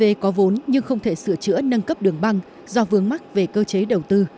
bot có vốn nhưng không thể sửa chữa nâng cấp đường băng do vướng mắc về cơ chế đầu tư